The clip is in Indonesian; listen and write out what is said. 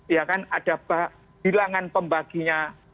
ya kan ada bilangan pembaginya